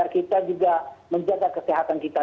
agar kita juga menjaga kesehatan kita dan kesehatan kita